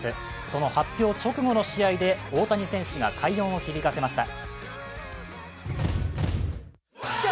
その発表直後の試合で大谷選手が快音を響かせました。